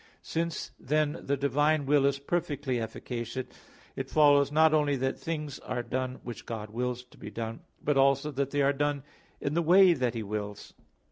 Since then the divine will is perfectly efficacious, it follows not only that things are done, which God wills to be done, but also that they are done in the way that He wills.